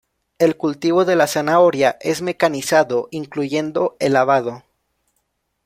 El cultivo de la zanahoria es mecanizado, incluyendo el lavado.